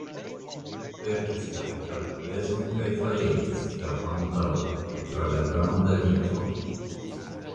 Perdis la egalpezon kaj falegis, kapo antaŭen, tra la granda vitro.